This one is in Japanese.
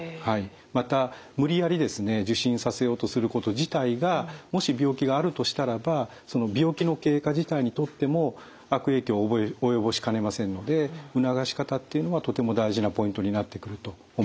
また無理やり受診させようとすること自体がもし病気があるとしたらばその病気の経過自体にとっても悪影響を及ぼしかねませんので促し方っていうのはとても大事なポイントになってくると思います。